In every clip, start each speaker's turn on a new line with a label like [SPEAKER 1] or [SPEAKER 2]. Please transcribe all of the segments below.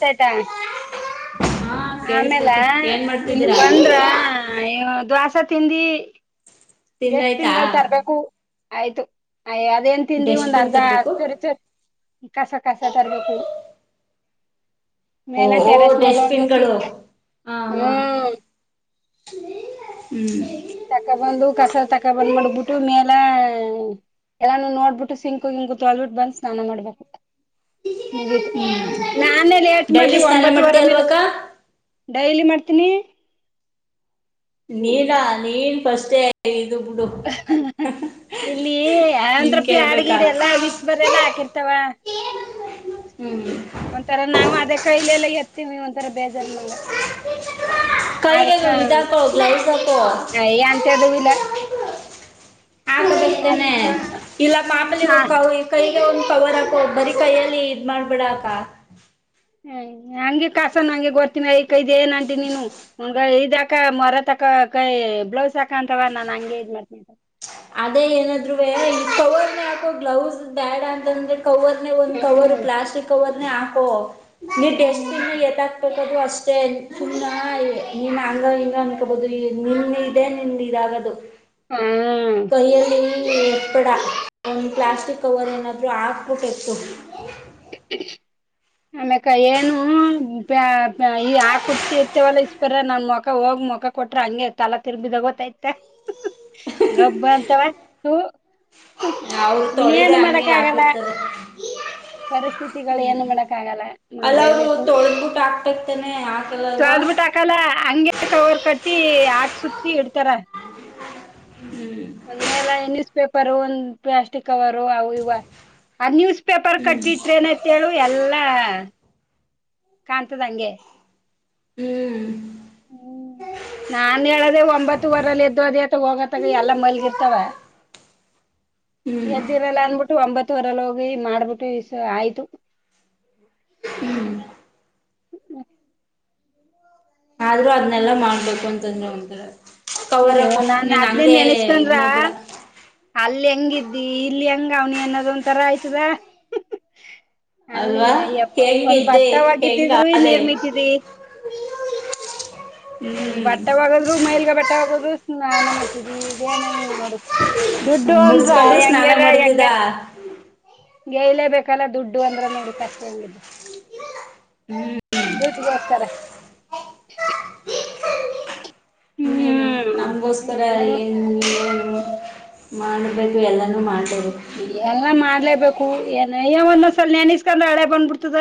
[SPEAKER 1] ಟಾಟಾ
[SPEAKER 2] ಹಾ
[SPEAKER 1] ಆಮೇಲೆ
[SPEAKER 2] ಕೇಳಿಸ್ತೈತೆ ಏನ್
[SPEAKER 1] ಇಲ್ಲಿ
[SPEAKER 2] ಮಾಡ್ತಿದ್ದೀರಾ
[SPEAKER 1] ಬಂದ್ರ ದ್ವಾಸ ತಿಂದಿ ಡಸ್ಟ್
[SPEAKER 2] ತಿಂದಾಯ್ತಾ
[SPEAKER 1] ತಿಂಗಳ ತರ್ಬೇಕು ಆಯ್ತು ಅಯ ಅದೇನ್ ತಿಂದಿ ಒಂದ್
[SPEAKER 2] ಡಸ್ಟ್ಬಿನ್
[SPEAKER 1] ಅರ್ಧ
[SPEAKER 2] ತರ್ಬೇಕು
[SPEAKER 1] ಚರಿ ಚರಿ ಕಸ ಕಸ ತರ್ಬೇಕು
[SPEAKER 2] ಓ
[SPEAKER 1] ಮೇಲೆ
[SPEAKER 2] ಓ
[SPEAKER 1] ಟೆರೆಸ್ ಮೇಲೆ ಹೋಗಿಸಿ
[SPEAKER 2] ಡಸ್ಟ್ಬಿನ್ಗಳು ಹಾ ಹಾ
[SPEAKER 1] ಹ್ಮ್
[SPEAKER 2] ಹ್ಮ್
[SPEAKER 1] ತಕ ಬಂದು ಕಸ ತಕ ಬಂದ್ ಮಡ್ಬಿಟ್ಟು ಮೇಲ ಎಲ್ಲಾನ ನೋಡ್ಬಿಟ್ಟು ಸಿಂಕೋಗಿಂ ಕುೂತ್ಲ್ಬಿಟ್ಟು ಬಂದು್ ಸ್ನಾನ ಮಾಡ್ಬೇಕು ಮುಗೀತು ನಾನೇ ಲೇಟ್
[SPEAKER 2] ಡೈಲಿ
[SPEAKER 1] ಮಾಡ್ದವಿ
[SPEAKER 2] ಸ್ನಾನ
[SPEAKER 1] ಒಂಬತ್ತು ವರ
[SPEAKER 2] ಮಾಡ್ತೀಯ
[SPEAKER 1] ಮೇಲೆ
[SPEAKER 2] ಅಲ್ವಕ್ಕ
[SPEAKER 1] ಡೈಲಿ ಮಾಡ್ತ [unintelligible]
[SPEAKER 2] ನೀನ್ ನೀನ್ ಫಸ್ಟ
[SPEAKER 1] ಇಲ್ಲಿ
[SPEAKER 2] ನಿನ್
[SPEAKER 1] ಆಂದ್ರಪ್ಪಿ
[SPEAKER 2] ಕೇಳ್ಬೇಕಾ
[SPEAKER 1] ಆಡಗಿಡ ಎಲ್ಲ ವಿಸ್ಪಿ ಬರೆ ಎಲ್ಲಾ ಹಾಕಿರ್ತಾವ [inaudible] [inaudible]
[SPEAKER 2] ಹ್ಮ್
[SPEAKER 1] ಒಂಥರ ನಾವ ಅದೇ ಕೈಲೆ ಎಲ್ಲ ಎತ್ತೀವಿ ಒಂಥರ ಬೇಜಾರ್ನಂಗ
[SPEAKER 2] ಕೈಗೆ ಇದಕೋ ಗ್ಲೌಸ್ ಹಾಕೋ
[SPEAKER 1] ಎಂತದು ಇಲ್ಲ
[SPEAKER 2] ಆಗ ಬಿಡ್ತೇನೆ
[SPEAKER 1] ಅದಕ್ಕ
[SPEAKER 2] ಇಲ್ಲ ಪಾಪಲಿ
[SPEAKER 1] ಸ್ನಾ
[SPEAKER 2] ಹಕ್ಕ ಕೈ ಒಂದ್ ಕವರ್ [unintelligible] ಅಪ್ ಬರಿ ಕೈಯಲ್ಲಿ ಇದ ಮಾಡ್ಬಿಡಾಕ
[SPEAKER 1] ಹಂಗೆ ಕಸ ಹಂಗೆ ಗರ್ತೀನಿ ಐ ಕ ಇದದು್ ಏನ್ಂಟಿ ನೀನು ಹಂಗ ಇದಾಕ ಮರತಕ ಕೈ ಬ್ಲೌಸ್ ಸಾಕಂತವ ನಾನ್ ಹಂಗೆ ಇದ್ ಮಾಡ್ತನ
[SPEAKER 2] ಅದೇ ಏನಾದ್ ಈ ಕವರ್ನ ಹಾಕೋ ಗ್ಲೌಸ್ ಬ್ಯಾಡ ಅಂತಂದ್ರೆ ಕವರ್ ಒಂದು ಕವರ್
[SPEAKER 1] ಹ್ಮ್
[SPEAKER 2] ಪ್ಲಾಸ್ಟಕ್ ಕವರ್ ಹಾಕೋ ನೀ
[SPEAKER 1] ಹ್ಮ್
[SPEAKER 2] ಡೆಸ್ಟ್ಬ ದು ಅಷ್ಟೇ ಚು ನಿನ್ ಅಂಗ ಇ ಅನ್ಕಬಹುದು ನಿನ್ ಇದೆ ನಿನ್ ಇದಾಗದು
[SPEAKER 1] ಹ್ಮ್
[SPEAKER 2] ಕೈ ಅಲ್ಲಿ ಎಪ್ಪಡ ಒಂದು ಪ್ಲಾಸ್ಟಿಕ್ ಕವರ್ ಏನಾದರೂ ಹಾಕ್ಬಿಟ್ಟೆತ್ತುು
[SPEAKER 1] [inaudible] [unintelligible] ಆಮ್ಯೇಕ ಏನು ಈ ಹಾಕ್ಬಿಡ್ತಿರ್ತೇವಲ್ಲ ಇಸ್ಪರ ನನ್ ಮಕ ಹೋಗ ಮುಖ ಕೊಟ್ರ ಹಂಗೆ ತಲಾ ತಿರ್ಬಿ ತಗೋತೈತೆ ಗಬ್ಬ ಅಂತವ [inaudible] [unintelligible]
[SPEAKER 2] ಅವರು ತೊಳಿದೆ
[SPEAKER 1] ಇನ್ನೇನು
[SPEAKER 2] ಹಂಗೆ
[SPEAKER 1] ಮಾಡಕ್ ಆಗಲ್ಲ
[SPEAKER 2] ಯಾಕಿರ್ತಾರೆ
[SPEAKER 1] ಪರಿಸ್ಥಿತಿಗಳು ಏನು ಮಾಡಡಕ್ ಆಗಲ್ಲ
[SPEAKER 2] ಅಲ್ಲ ಅವರು
[SPEAKER 1] ಮಾಡ್ಲೇಬೇಕು
[SPEAKER 2] ತೊಳೆದ್ಬಿಟ್ಟು ಹಾಕ್ಬೇಕ್ ತಾನೆ ಹಾಕಲ್ಲ ಅಲ್ವಾ
[SPEAKER 1] ಸದ್ ಬಿಟ್ಟ ಹಾಕಲ್ಲ ಹಂಗಗೆ ಕವರ್ ಕಟ್ಟಿ ಹಾಕ್ ಸುತ್ತಿ ಇಡ್ತಾರ
[SPEAKER 2] ಹ್ಮ್
[SPEAKER 1] ಒಂದ ಮೇಲೆ ನ್ಯೂಸ್ ಪೇಪರ್ ಒಂದ್ ಪ್ಲಾಸ್ಟಿಕ್ ಕವರು ಅವು ಇವ ಆ ನ್ಯೂಸ್ ಪೇಪರ್
[SPEAKER 2] ಹ್ಮ್
[SPEAKER 1] ಕಟ್ಟಿಟ್ರ ನತ್ತೇಳು ಎಲ್ಲಾ ಕಾಣ್ತದಂಗೆ
[SPEAKER 2] ಹ್ಮ್
[SPEAKER 1] ಹ್ಮ ನಾನ್ ಹೇಳದೆ ಒಂಬತ್ತು ವರಲ್ಲಿ ಎದ್ದ ಅದತ ಹೋಗತ್ತಗ ಎಲ್ಲಾ ಮಲ್ಗಿರ್ತವ
[SPEAKER 2] ಹ್ಮ್
[SPEAKER 1] ಎದ್ದಿರಲ್ಲ ಅನ್ಬಿಟ್ಟು ಒಂಬತ್ತ ವರಲ್ ಹೋಗಿ ಮಾಡ್ಬಿಟ್ಟು ಆಯ್ತು
[SPEAKER 2] ಹ್ಮ್ ಆದ್ರೂ ಅದನೆಲ್ಲಾ ಮಾಡ್ಬೇಕು ಅಂತಂದ್ರೆ ಒಥರ
[SPEAKER 1] ಇ ನಾನ ಅದ್ನಿಂದ
[SPEAKER 2] ಇದ್
[SPEAKER 1] ನೆನಸ್ಕೊಂಡ್ರ
[SPEAKER 2] ಮಾಡ್ಬೇಡ
[SPEAKER 1] ಅಲ್ಲಿ ಹೆಂಗಿದ್ದಿ ಇಲ್ಲಿ ಹೆಂಗ ಕಾವನಿ ಅನ್ನೋದ ಒಂ ತರ ಆಯ್ತದ ಅಲ್ಲಿ
[SPEAKER 2] ಅಲ್ವಾ
[SPEAKER 1] ಅಯ್ಯಪ್ಪ ಒಂದ್
[SPEAKER 2] ಹೆಂಗಿದ್ದೆ ಹೆಂಗ
[SPEAKER 1] ಭತ್ತವಾಗಿದ್ದಿದ್ರು
[SPEAKER 2] ಅದೇ
[SPEAKER 1] ನೀರ್ಮತಿದಿ ಹ
[SPEAKER 2] ಹ್ಮ್
[SPEAKER 1] ಬಟ್ಟವಾಗದ್ರು ಮೈಲ್ಗ ಬಟ್ಟವಾಗದ್ರುಾನ ಮಾಡ್ತಿದ್ವಿ ಇದೇನ ಹಿಂಗ ನೋಡ ದುಡ್ಡು ಅನ್ರ
[SPEAKER 2] ಮುಡ್ಸ್ಕೊಂಡ್ರು ಸ್ನಾನ
[SPEAKER 1] ಹೆಂಗಾರ
[SPEAKER 2] ಮಾಡ್ತಿದ್ದ
[SPEAKER 1] ಹೆಂಗಾರ ಗಯಲ ಬೇಕ ಕಲ್ಲ ದುಡ್ಡು ಅಂದ್ರ ನೋಡುಕ್ಷ್ಟ ಹೆಂಗಿದ
[SPEAKER 2] ಹ್ಮ್
[SPEAKER 1] ದೊಡ್ಡು ಗಸ್ಕಾರ
[SPEAKER 2] ಹ್ಮ ಏನು ನಮಗೋಸ್ಕರ
[SPEAKER 1] ಇನ್ನೇನು
[SPEAKER 2] ಏನ್ ಮಾಡಬೇಕು ಎಲ್ಲಾನೂ ಮಾಡ್
[SPEAKER 1] ಎಲ್ಲ ಮಾಡ್ಲೇಬೇಕು ಏನಯ್ಯ ಒಂದೊಂದ್ಸಲ ನೆನಸ್ಕೊಂಡ್ರೆ ಹಳೆ ಬಂದ್ಬಿಡ್ತದ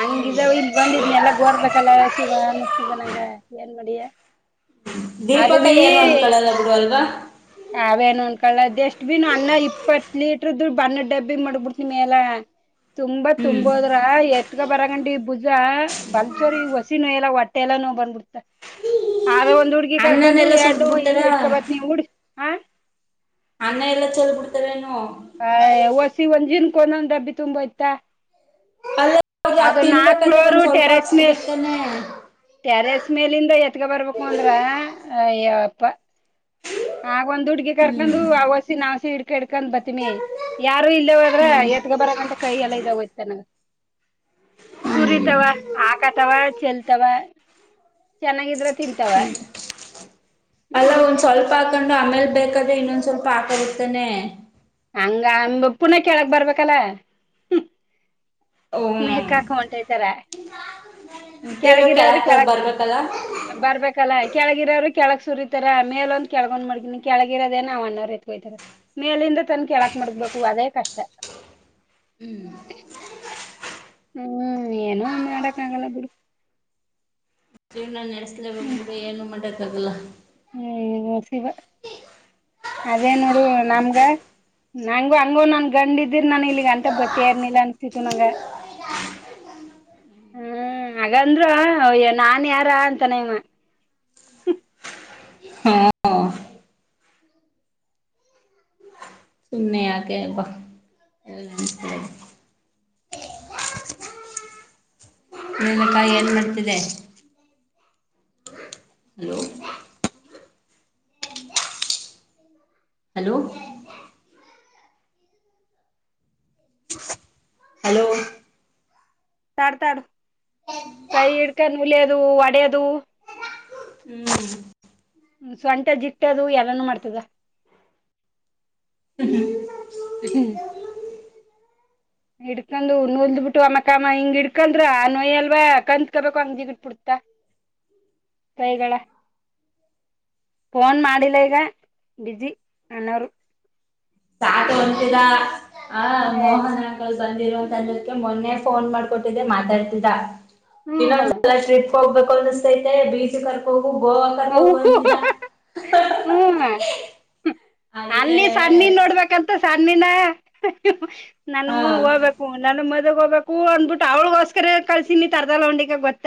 [SPEAKER 1] ಹಂಗಿದ ಇಲ್ ಬಂದಿದ್ನಿ ಎಲ್ಲ ಹರ್ಬೇಕಲ್ಲ ಸಿಗ ಅನ್ನಸ್ದ ನಂಗ ಏನ್ ಮಾಡಡಿಯ
[SPEAKER 2] ದೀಪಕ ಏನು ಅಂದ್ಕೊಳ್ಳಲ್ಲ ಬಿ ಅಲ್ವಾ
[SPEAKER 1] ಅವೇನು ಅಂದನ್ಕಳದ್ ಎಷ್ಟ್ ಬಿ ಅನ್ನ ಇಪ್ಪತ್ ಲೀಟರ್ ದುಡ್ ಬಣ್ಣ ಡಬ್ಬಿ ಮಾಡಡಬಿಟ್ಟ ನಿ ಎಲ್ಲ ತುಂಬಾ
[SPEAKER 2] ಹ್ಮ್
[SPEAKER 1] ತುಂಬೋದ್ರ ಎತ್ಗ ಬರಗಂಡಿ ಭುಜ ಬಲ್ಚೋರಿ ಹೊಸಿ ನೋಯ ಎಲ್ಲ ಹೊಟ್ಟೆ ಎಲ್ಲಾ ನೋ ಬಂದ್ಬಿಡ್ತ ಆದ ಒಂದ್ ಹುಡ್ಗಿ ಕರ್ಕೊಂಡು
[SPEAKER 2] ಅನ್ನನೆಲ್ಲ
[SPEAKER 1] ಎರಡು
[SPEAKER 2] ಸುರ್ದ್ ಬಿಡ್ತಾರ
[SPEAKER 1] ಎಡ್ ಕಬತ್ ನೀವುಡಿ
[SPEAKER 2] ಅನ್ನ ಎಲ್ಲಾ ಚಲ ಬಿಡ್ತವೇನು
[SPEAKER 1] ಹ ವಸಿ ಒಂದ ಜನ್ ಕ ಒಂದೊಂದ್ ಡಬ್ಬಿ ತುಂಬ ಆಯ್ತಾ
[SPEAKER 2] ಅಲ್ಲ ಅದ್
[SPEAKER 1] ಅದು ನಾಲ್ಕು
[SPEAKER 2] ತಿನ್ಬೇಕಾದ್ರೆ
[SPEAKER 1] ಫ್ಲೋರು
[SPEAKER 2] ಒಂದ್ ಸ್ವಲ್ಪ
[SPEAKER 1] ಟೆರಸ್ ಮೇ
[SPEAKER 2] ಹಾಕ್ಸ್ಕೊಬೇಕ್ ತಾನೆ
[SPEAKER 1] ಟ್ಯಾರಸ್ ಮೇಲಿಂದ ಎತ್ಗ ಬರ್ಬೇಕು ಅಂದ್ರ ಆಗ ಒಂದ್ ಹುಡ್ಗಿ
[SPEAKER 2] ಹ್ಮ್
[SPEAKER 1] ಕರ್ಕೊಂಡು ಅವಸ ನಸಿ ಹಿಡ್ಕ ಹಡ್ಕೊಂಡ್ ಬತ್ತ ಯಾರು ಇಲ್ಲವದ್ರೆ ಎತ್ಗ ಬರ ಗಂಟ ಕೈಯ ಎಲ್ಲ ಇದ ಹೋಗಯ್ತ ನನ ಸರಿ
[SPEAKER 2] ಹ್ಮ್
[SPEAKER 1] ಅವಾ ಆಕ ಅವಾ ಚಲ್ ಅವಾ ಚೆನ್ನಾಗಿದ್ರೆ ತಿಂತಾವ
[SPEAKER 2] ಅಲ್ಲ
[SPEAKER 1] ಹ್ಮ್
[SPEAKER 2] ಒಂದ್ ಸ್ವಲ್ಪ ಹಾಕೊಂಡು ಆಮೇಲ್ ಬೇಕಾದ್ರೆ ಇನ್ನೊಂದ್ ಸ್ವಲ್ಪ ಹಾಕದರ್ತಾನೆ
[SPEAKER 1] ಹಂಗ ಅಂದ ಪುನ ಕೇಳಕ್ ಬರ್ಬೇಕಲ್ಲ ಮ
[SPEAKER 2] ಹ್ಮ್
[SPEAKER 1] ಕಾಕ ಹೊಟತರ
[SPEAKER 2] ತಿರ್ಗಾ
[SPEAKER 1] ಕೆಳಗಿರವ್ರ
[SPEAKER 2] ಕೆಳಕ್
[SPEAKER 1] ಕೆಳ
[SPEAKER 2] ಬರ್ಬೇಕಲ್ಲ
[SPEAKER 1] ಬರ್ಬೇಕಲ್ಲ ಕೆಳಗಿರವ್ರ ಕೆಳಕ್ ಸುರಿತಾರ ಮೇಲೊಂದು ಕೆಳಗೊಂಡ್ ಮಾಡ್ಗಿನನಿ ಕೆಳಗಿರೋದೇನ ಅವ್ ಅಣಾರರ್ ಎತ್ಕೋಯತಾರ ಮೇಲಿಂದ ತನ್ ಕೆಳಕ್ ಮುಗ್ಬೇಕು ಅದೇ ಕಷ್ಟ
[SPEAKER 2] ಹ್ಮ್
[SPEAKER 1] ಹ್ಮ್ ಏನ ಮಾಡಕ್ ಆಗಲ್ಲ ಬಿಡು
[SPEAKER 2] ಜೀವನ ನಡೆಸ್ಲೇಬೇಕ
[SPEAKER 1] ಹ್ಮ್
[SPEAKER 2] ಅಂದ್ರೆ ಏನು ಮಾಡಕ್ಕಾಗಲ್ಲ
[SPEAKER 1] ಹ್ಮ್ ಶಿವ ಅದೇ ನೋಡು ನಮ್ಗ ನಂಗ ಹಂಗೋ ನನ್ ಗಂಡ್ ಇದಿದಿರ ನನ್ ಇಲ್ಲಿಗ್ ಅಂತ ಬತರ್ನಿಲ್ಲ ಅನ್ಸ್ತಿತ್ತು ನಂಗ ಹ್ಮ್ ಹಾಗಂದ್ಯ ನಾ ಯಾರ ಅಂತಾನಮ್ಮ [inaudible] [unintelligible]
[SPEAKER 2] ಹಾ ನ ಆಕ ಬ ನಲಕಾಯಿ ಏನ್ ಮಾಡ್ತಿದೆ ಹಲೋ ಹಲೋ ಹಲೋ
[SPEAKER 1] ತಾಡ್ತಾಡು ಕೈ ಇಡ್ಕ ನಲದು ಒಡದು ಹ್ಮ ಸೊಂಟ ಜಿಟ್ಟದು ಎಲ್ಲಾನೂ ಮಾಡ್ತದ
[SPEAKER 2] ಹ್ಮ್
[SPEAKER 1] ಹ್ಮ್ ಹಿಡ್ಕೊಂಡ್ ನೋಲ್್ ಬಿಟ್ಟು ಅಮ್ಮಕ್ಕಮ್ಮ ಹಿಂಗ ಹಿಡ್ಕಂದ್ರ ಆ ನೋಯ್ ಅಲ್ವಾ ಕಂದತ್ಕಬೇಕು ಹಂಗಿಗ ಇಟ್ಬಿ
[SPEAKER 2] ಹ್ಮ್
[SPEAKER 1] ಫೋನ್ ಮಾಡಿಲ್ಲ ಈಗ ಜಿ ಅನೋರು
[SPEAKER 2] ಆತ ಹೊಂಂತಿದ ಆ
[SPEAKER 1] ಏ
[SPEAKER 2] ಮೋಹನ್ ಆಗಲ್ ಬಿಕ್ಕೆ ಮೊನ್ನೆ ಫೋನ್ ಮಾಡ್ಕೊಟ್ಟಿದ್ದೆ ಮಾತಾಡ್ತರಾ
[SPEAKER 1] ಹ್ಮ್
[SPEAKER 2] ಇನ್ನೊಂದ್ಸಲ್ರಿಪ್ ಕರ್ ಹೋಗ್ಬೇಕು ಅಂದ ಸತೈತೆ ಬೀಚ್ ಕರ್ಕ ಹೋಗು ಗೋವಾ ಕರ್ಕ ಹೋಗು ಅಂತಿನ
[SPEAKER 1] ಹ್ಮ
[SPEAKER 2] ಅದಕ್ಕೆ
[SPEAKER 1] ಅಲ್ಲಿ ಸಣ್ಣಿ ನೋಡ್ಬೇಕಂತ ಸಣ್ಣಿನ ನಾನು
[SPEAKER 2] ಹಾ
[SPEAKER 1] ಹೋಗ್ಬೇಕು ನನ್ನ ಮ ಹೋಗಬೇಕು ಅಂದ್ಬಿಟ್ಟು ಅವ್ಳಗೋಸ್ಕರ ಕಲ್ಸಿನಿ ತರ್ದಲ್ಲ ಹಂಡಗ ಗೊತ್ತ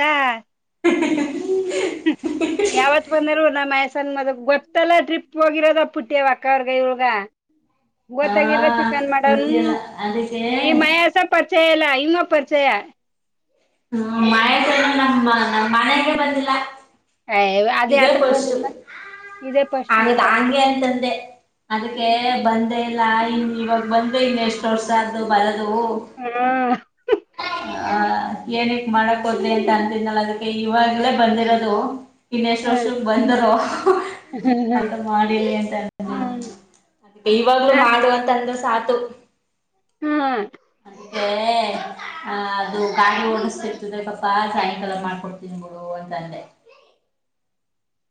[SPEAKER 1] ಯಾವತ್ ಬಂದರು ನಮ್ಮ ಮಯಸನ್ ಮದ ಗೊತ್ತಲ್ಲ ಟ್ರಿಪ್ ಹೋಗಿರೋ ಪುಟ್ಟಿಯ ಅಕ್ಕ ಅವ್ರಗ ಇಳಗ
[SPEAKER 2] ಹಾ
[SPEAKER 1] ಗೊತ್ತಾಗಿದ್ರ ಚಿಕನ್ ಮಾಡವನು
[SPEAKER 2] ಗೊತ್ತಿಲ್ಲ ಅದಕ್ಕೆ
[SPEAKER 1] ಈ ಮಯಾಸ ಪರಿಚೆ ಎಲ್ಲ ಹಂಗ ಪರಿಚಯ
[SPEAKER 2] ಹ್ಮ ಮಳೆ
[SPEAKER 1] ಹ್ಮ್
[SPEAKER 2] ನಮ್ ನಮ್ಮ್ ಮನೆಗೆ ಬಂದಿಲ್ಲ
[SPEAKER 1] ಹ ಅದೇ ಅತಕ್ಕೆ ಬಂದಿನಾ
[SPEAKER 2] ಹಾಗದು ಹಂಗೆ ಅಂತಂದೆ ಅದಕ್ಕೆ
[SPEAKER 1] ಹ್ಮ್
[SPEAKER 2] ಬಂದೆ ಇಲ್ಲ ಇನ್ ಇವಾಗ ಬಂದ್ರೆ ಇನ್ ಎಷ್ಟ್ ವರ್ಷ ಅ್ದು ಬರದು
[SPEAKER 1] ಹಾ
[SPEAKER 2] ಹ್ಮ ಏನಕ್ ಮಾಡಕ್ ಹೋದ್ಲಿ ಅಂತ ಅಂತಿದ್ನಲ್ಲ ಅದಕ್ಕೆ ಇವಾಗ್ಲೇ ಬಂದಿರೋದು ಇನ್ನೆಷ್ಟು
[SPEAKER 1] ಹ್ಮ್
[SPEAKER 2] ವರ್ಷಕ್ ಬಂದರುೋ ಅಂತ ಮಾಡಿಲಿ ಅಂತ ಅ
[SPEAKER 1] ಹ್ಮ್
[SPEAKER 2] ಅ ಇವಾಗ್ಲುೂ ಮಾಡುವ ಅಂತ ಅಂದ್ರೆ ಸಾಕು
[SPEAKER 1] ಹ್ಮ
[SPEAKER 2] ಹ್ ಅ ಅದು ಗಾಡಿ ಓಡಸ್ತಿ ಇರ್ತದೆ ಪಾಪಾ ಸಾಯಂಕಾಲ ಮಾಡ್ಕೊಡ್ತೀನ್ಿ ಬಿುಡು ಅಂತ ಅಲ್ಲೆ
[SPEAKER 1] [inaudible] [unintelligible]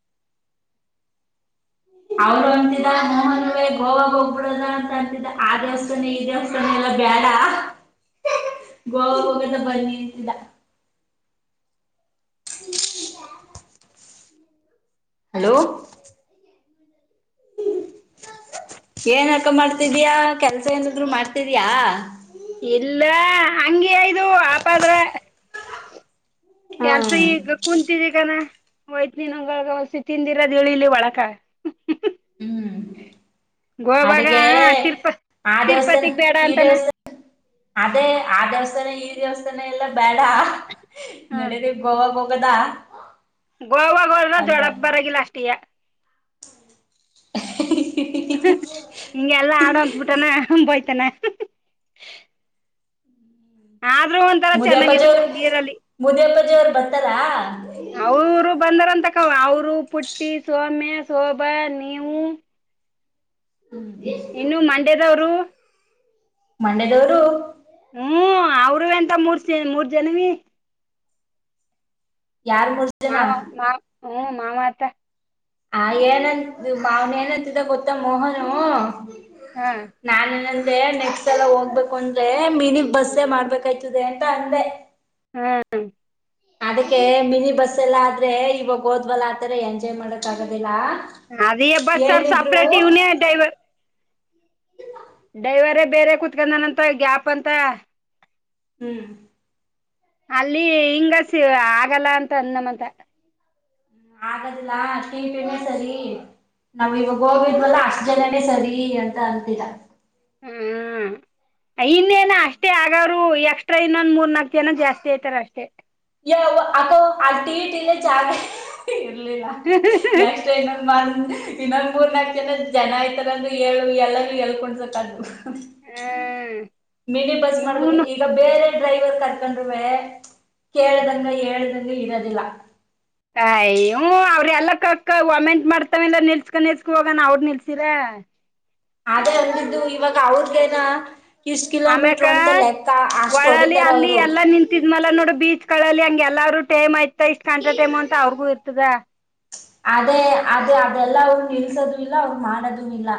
[SPEAKER 2] ಅವರು ಅಂತಿದ ಮೋಹನ್ವೇ ಗೋವಾಗ ಒೋಗಬ್ಬಿಡದ ಅಂತ ಅಂತಿದ ಆ ದೇವಸ್ಥಾನೇ ಈ ದೇವಸ್ಥಾನ ಎಲ್ಲ ಬ್ಯಾಡ
[SPEAKER 1] ಹ
[SPEAKER 2] ಗೋವಾಗೊಗೋಣ ಬನ್ನೀ ಅಂತಿದ್ದ
[SPEAKER 1] [inaudible] [unintelligible]
[SPEAKER 2] ಹಲೋ
[SPEAKER 1] [inaudible] [unintelligible]
[SPEAKER 2] ಏನ್ ಅಕ್ಕ ಮಾಡ್ತಿದ್ಯಾ ಕೆಲ್ಸ ಏನಾದ್ರು ಮಾಡ್ತಿದ್ಯಾ
[SPEAKER 1] ಇಲ್ಲ ಅಂಗೇ ಇದು ಆಪದ್ರ
[SPEAKER 2] ಹಾ
[SPEAKER 1] ಕೆಲ್ಸ ಈಗ ಕುೂಂತಿದ್ದೀಗಾನ ಹೋಯ್ತು ನೀನ್ಂಗಸಿ ತಿಂದಿರೋದು ಹೇಳಿಲ್ಲಿ ಒಳಕ
[SPEAKER 2] ಹ್ಮ್
[SPEAKER 1] ಗೋವಾಗ
[SPEAKER 2] ಅದಕ್ಕೆೇ
[SPEAKER 1] ತಿರ್ಪ
[SPEAKER 2] ಆ ದಿವಸ
[SPEAKER 1] ತಿರುಪತಿಗ್ ಬೇಡ
[SPEAKER 2] ಈ
[SPEAKER 1] ಅಂತಾನ
[SPEAKER 2] ದಿವಸ ಅದೇ ಆ ದೇವಸ್ಥಾನ ಈ ದೇವಸ್ಥಾನ ಎಲ್ಲ ಬೇಡ ನೆಡಿರಿ ಗೋವಾ ಗೊಗೋಣ ಬೇಡ
[SPEAKER 1] ಗೋವಾಗೋ ಹೋದ್ರ ಬೆಳಗ್ಗೆ ಬರಾಗಿಿಲ್ಲ ಅಷ್ಟ ಈಗ
[SPEAKER 2] [inaudible]
[SPEAKER 1] ಇಂಗ ಎಲ್ಲಾ ಆಡಕ್ಕ ಬಿಟನ ಬಯತನೆೆ ಚೆನ್ನಾಗಿತ್ತು
[SPEAKER 2] ಮುದಿಯಪ್ಪಾಜಿಯವರು
[SPEAKER 1] ನೀರಲ್ಲಿ
[SPEAKER 2] ಮುದಿಯಪ್ಪಾಜವರು ಬರ್ತಲ್ಲಾ
[SPEAKER 1] ಅವರು ಬಂದಾರ ಅಂತಕ್ಕ ಅವರು ಪುಟ್ಟಿ ಸೋಮೆ ಶೋಭ ನೀವು ಇನ್ನು ಮಂಡೇದವರು
[SPEAKER 2] ಮಂಡ್ಯದವರು
[SPEAKER 1] ಹ್ಮ್ ಅವರುೂ ಅಂತ ಮೂರ್ ಮೂರ್ ಜನವಿೀ
[SPEAKER 2] ಯಾರಿಗೆ ಹೊಡೆದಾರ.
[SPEAKER 1] ಹ್ಹು ಮಾಮತ.
[SPEAKER 2] ಆ ಏನಂತ ಮಾನ್ ಏನಂತಿದ್ದ ಗೊತ್ತ ಮೋಹನು.
[SPEAKER 1] ಹಾ
[SPEAKER 2] [unintelligible] ಆದ್ರೆ ನೆಕ್ಸ್ಟ್ ಸಲ ಹೋಗ್ಬೇಕು ಅಂದ್ರೆ ಮಿನಿ ಬಸ್ಸೇ ಮಾಡ್ಬೇಕಾಯ್ತದೆ ಅಂತ ಅಂದೆ.
[SPEAKER 1] ಹ್ಮ್
[SPEAKER 2] ಅದಕ್ಕೆ ಮಿನಿ ಬಸ್ ಎಲ್ಲ ಆದ್ರೆ ಇವಾಗ ಹೋದ್ವಲ್ಲ ಆತರ ಎಂಜಾಯ್ ಮಾಡಕ್ ಆಗದಿಲ್ಲ.
[SPEAKER 1] ಅದೇ ಬಸ್ ಸರ್ ಸಪರೆೇಟ್ ಯುವ್ನೆ ಡ್ರೈವರ್. ಡ್ರೈವರೇ ಬೇರೆ ಕುತ್ಕೊಂಡನಂತ ಗ್ಯಾಪ್ ಅಂತ.
[SPEAKER 2] ಹ್ಮ್
[SPEAKER 1] ಅಲ್ಲಿ ಹಿಂಗಸಿ ಆಗಲ್ಲ ಅಂತ ಅಂದನಂತ.
[SPEAKER 2] ಆಗದಿಲ್ಲ ಅದ್ಕೆ [unintelligible] ನಾವ ಇವಾಗ ಹೋಗಿದ್ವಲ್ಲ ಅಷ್ಟ್ ಜನನೇ ಸರಿ ಅಂತ ಅಂತಿದ್ದ.
[SPEAKER 1] ಹೂ. ಇನ್ನೇನ ಅಷ್ಟೇ ಆಗೋರು ಎಕ್ಸ್ಟ್ರಾ ಇನ್ನೊಂದ್ ಮೂರ್ ನಾಲ್ಕು ಜನ ಜಾಸ್ತಿ ಆಯ್ತಾರ ಅಷ್ಟೇ.
[SPEAKER 2] [unintelligible] ಇಲಿಲ್ಲ [unintelligible] ಮಾಡ ಇನ್ನೊಂದ ಮೂರ್ ನಾಕು ಜನ ಜನ ಐತಾರಂದ ಹೇಳು ಎಲ್ಲಾನು ಎಳ್ಕೊಂಡಸಕ್.
[SPEAKER 1] ಹ್ಮ
[SPEAKER 2] ಮಿನಿ ಬಸ್ ಮಾಡ್ಬೇಕ
[SPEAKER 1] ಇವನು
[SPEAKER 2] ಈಗ ಬೇರೆ ಡ್ರೈವರ್ ಕರ್ಕೊಂಡ್ರುವೆ ಕೇಳ್ದಂಗ ಹೇಳ್ದಂಗ ಇರೋದಿಲ್ಲ.
[SPEAKER 1] ಕಯ್ಯೂ ಅವ್ರೆಲ್ಲ ಕಕ್ಕ ಒಮೆಂಟ್ ಮಾಡ್ತವೆೆಲ್ಲ ನಿಲ್ಸ್ಕೊಂಡ ನಿಲ್ಸ್ಕೊಂಡು ಹೋಗಣ ಅವ್ರ ನಿಲ್ಸಿರ. ಹಾ
[SPEAKER 2] ಅದೇ ಅಂದಿದ್ದು ಇವಾಗ ಅವರಿಗೆನಾ.
[SPEAKER 1] ಆಮ್ಯೇಕ ಒಳಲಿ
[SPEAKER 2] ಹೊಡಿತಾರ
[SPEAKER 1] ಅಲ್ಲಿ
[SPEAKER 2] ಅವ್ರು
[SPEAKER 1] ಎಲ್ಲಾ ನಿಂತಿದ್ಮಲ್ಲ ನೋಡು ಬೀಚ್ ಕಳಲಿ ಅಂಗ. ಎಲ್ಲಾರೂ ಟೈಮ್ ಆಯ್ತ ಇಷ್ಟ್ ಗಂಟ ಟೈಮ್ ಅಂತ ಅವ್ರಿಗೂ ಇರ್ತದ.
[SPEAKER 2] ಅದೇ ಅದೇ ಅದೆಲ್ಲ ಅವನು ನಿಲ್ಸದು ಇಲ್ಲ ಅವ್ರ ಮಾಡದು ಇಲ್ಲ.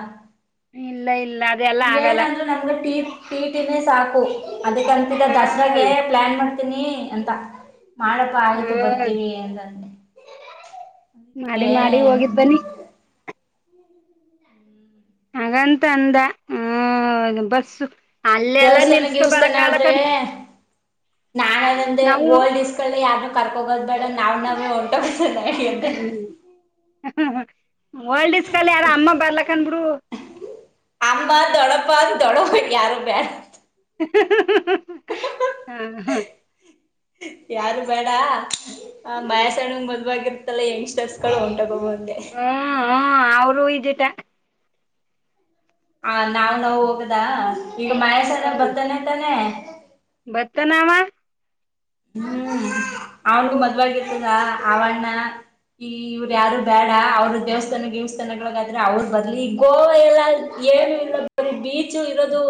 [SPEAKER 1] ಇಲ್ಲ ಇಲ್ಲ ಅದೆಲ್ಲಾ
[SPEAKER 2] ಈಗ
[SPEAKER 1] ಆಗಲ್ಲ
[SPEAKER 2] ನಂದ್ರರು ನಂಗ್ ಟೀಮ್ ಟಿಟಿನೇ ಸಾಕು ಅದಕ್ಕಂತಿದ ದಸರಾಗೆ
[SPEAKER 1] ಹ್ಮ್
[SPEAKER 2] ಪ್ಲಾನ್ ಮಾಡ್ತೀನಿ ಅಂತ. ಮಾಡಪ್ಪ ಆಯ್ತು
[SPEAKER 1] ಹ್ಮ್
[SPEAKER 2] ಬರ್ತೀವಿ ಅಂತಂದೆ.
[SPEAKER 1] ಮಾಡಿ
[SPEAKER 2] ಏ
[SPEAKER 1] ಮಾಡಿ ಹೋಗಿದ್ ಬನ್ನಿ. ಹಾಗಂತ ಅಂದ ಆ ಅದು ಬಸ್ಸು. ಅಲ್ಲೆಲ್ಲಾ
[SPEAKER 2] ದೇವಸ್ಥಾನ
[SPEAKER 1] ನಿಲ್ಸ್ಕೊ ಬರ ಕಾಲಕ್ಕಂತ.
[SPEAKER 2] ನಾನು ಅದೇ ಅಂದೇ ಓಲ್ಡ್ ದಿಸ್ ಯಾರು ಕರ್ಕೊಂಡು ಹೋಗೋದು ಬೇಡ ನಾವ್ ನಾವೇ ಹೊಂಟೋಗ
[SPEAKER 1] ವಲ್ಡ್ ಇಸ್ಕಲ್ ಯಾರ ಅಮ್ಮ ಬರ್ಲಕಣ ಬಿಡು.
[SPEAKER 2] ಅಮ್ಮ ದೊಡ್ಡಪ್ಪ ದೊಡ್ಡಮ್ಮ ಯಾರು ಬ್ಯಾಡ
[SPEAKER 1] ಹಾ ಹ
[SPEAKER 2] ಯಾರು ಬೇಡ
[SPEAKER 1] ಹ್ಮ್
[SPEAKER 2] ಬಯಾಸಣಂಗ ಮದ್ವಾಗಿರ್ತ್ತಲ್ಲ ಯಂಗ್ಸ್ಟರ್ಸ್ಗಳು ಉಂಟಾಗಬಹುದು ಅಂದೆ
[SPEAKER 1] ಹ್ಮ್ [inaudible]
[SPEAKER 2] ಆ ನಾವ್ ನಾವ ಹೋಗದ ಈಗ ಮಹೇಶ್ ಅಣ್ಣ ಬರ್ತಾನೆ ತಾನೆ.
[SPEAKER 1] ಬರ್ತಾನ ಅವ.
[SPEAKER 2] ಹ್ಮ್ ಅವನ್ಗೂ ಮದ್ವ ಆಗಿ ಇರ್ತದ ಅವಣ್ಣ. ಈ ಇವ್ರ ಯಾರು ಬೇಡ ಅವ್ರ ದೇವಸ್ಥಾನ ದೇವ್ಸ್ಥಾನಗಳಗಾದ್ರೆ ಅವ್ರ ಬಲ್ರಿ ಈ ಗೋವಾ ಎಲ್ಲ. ಏನು ಇಲ್ಲ ಬರೇ ಬೀಚು ಇರೋದು.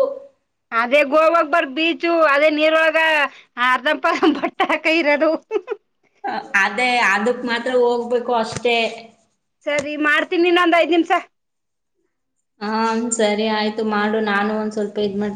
[SPEAKER 1] ಅದೇ ಗೋವಾಗ ಬರ್ ಬೀಚು ಅದೇ ನೀರ್ವಾಗ ಅರ್ದಪ್ಪ ಪರದಂ ಬಟ್ಟೆ ಹಾಕ್ಕೊಂಡ್ ಇರೋದು. [unintelligible]
[SPEAKER 2] ಅದೇ ಅದಕ್ ಮಾತ್ರ ಹೋಗ್ಬೇಕು ಅಷ್ಟೇ.
[SPEAKER 1] ಸರಿ ಮಾಡ್ತೀನಿನ್ನೊಂದ್ ಐದ್ ನಿಮ್ಸ.
[SPEAKER 2] ಹ ಸರಿ ಆಯ್ತು ಮಾಡು ನಾನು ಒಂದ್ ಸ್ವಲ್ಪ ಇದ್ ಮಾಡ್ತಿ